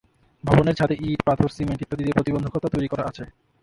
ভবনের ছাদে ইট, পাথর, সিমেন্ট ইত্যাদি দিয়ে প্রতিবন্ধকতা তৈরি করা আছে।